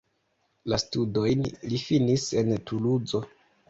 La studojn li finis en Tuluzo.